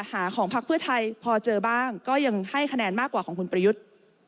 หาของพักเพื่อไทยพอเจอบ้างก็ยังให้คะแนนมากกว่าของคุณประยุทธ์